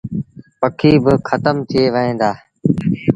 پکي با کتم ٿئي وهيݩ دآ۔